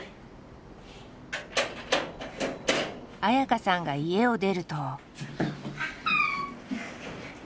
綾香さんが家を出ると。